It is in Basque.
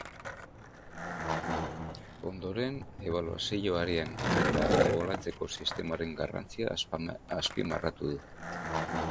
Ondoren, ebaluazioaren eta ebaluatzeko sistemaren garrantzia azpimarratu du.